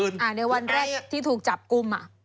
ในวันแรกที่ถูกจับกลุ่ม